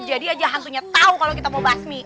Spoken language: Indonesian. jadi aja hantunya tau kalau kita mau basmi